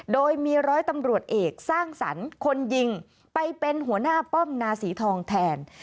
โดยมีร้อยตำรวจเอกสร้างสรรค์คนยิงไปเป็นหัวหน้าป้อมนาศรีทองแทน